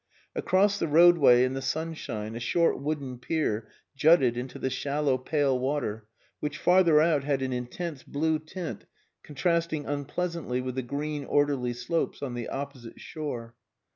Across the roadway in the sunshine a short wooden pier jutted into the shallow pale water, which farther out had an intense blue tint contrasting unpleasantly with the green orderly slopes on the opposite shore.